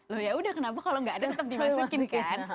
loh yaudah kenapa kalau enggak ada tetep dimasukin kan